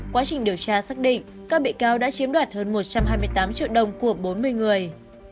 quá trình điều tra xác định các bị cáo đã chiếm đoạt hơn một trăm hai mươi tám triệu đồng của bốn mươi người